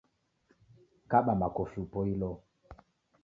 Kaba makofi upoilo